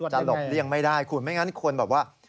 จะหลบเลี่ยงไม่ได้ไม่งั้นควรแบบว่า